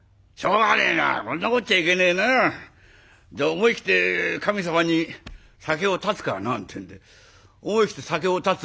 思い切って神様に『酒を断つから』なんてんで」。思い切って酒を断つ。